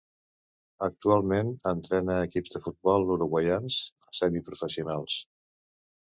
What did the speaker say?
Actualment entrena equips de futbol uruguaians semiprofessionals.